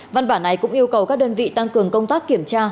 văn bản này cũng yêu cầu các đơn vị tăng cường công tác kiểm tra